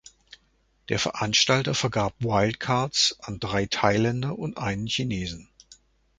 Der Veranstalter vergab Wildcards an drei Thailänder und einen Chinesen.